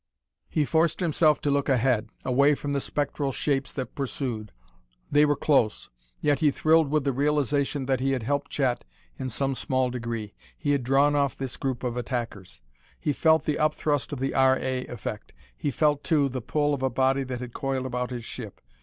He forced himself to look ahead, away from the spectral shapes that pursued. They were close, yet he thrilled with the realization that he had helped Chet in some small degree: he had drawn off this group of attackers. He felt the upthrust of the R. A. Effect; he felt, too, the pull of a body that had coiled about his ship.